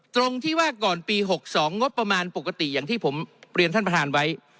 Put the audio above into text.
ตรงที่ว่าก่อนปี๖๒งบประมาณปกติอย่างที่ผมเรียนท่านประธานไว้